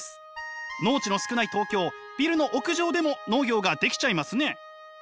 農地の少ない東京ビルの屋上でも農業ができちゃいますね！